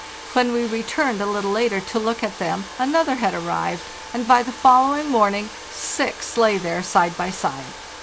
When we returned a little later to look at them another had arrived, and by the follow ing morning six lay there side by side.